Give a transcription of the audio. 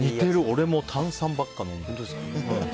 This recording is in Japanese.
俺も炭酸ばっか飲んでる。